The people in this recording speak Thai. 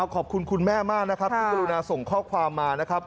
ขอบคุณคุณแม่มากนะครับที่กรุณาส่งข้อความมานะครับ